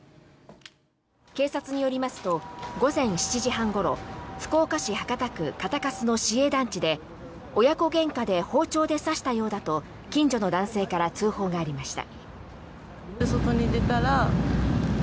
警察によりますと午前７時半ごろ福岡市博多区堅粕の市営団地で親子げんかで包丁で刺したようだと近所の男性から通報がありました。